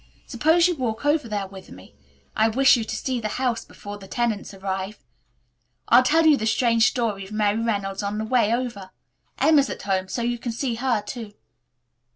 Suppose you walk over there with me. I wish you to see the house before the tenants arrive. I'll tell you the strange story of Mary Reynolds on the way over. Emma's at home, so you can see her, too."